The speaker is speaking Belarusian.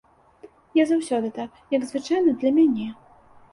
Я заўсёды так, як звычайна для мяне.